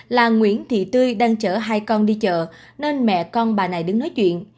là nguyễn thị tươi đang chở hai con đi chợ nên mẹ con bà này đứng nói chuyện